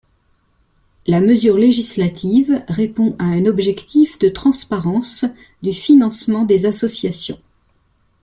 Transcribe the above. La mesure législative répond à un objectif de transparence du financement des associations.